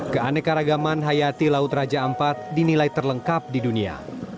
keanekaragaman hayati laut raja ampat dinilai terlengkap di dunia